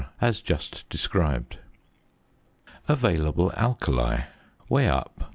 as just described. ~Available Alkali.~ Weigh up 23.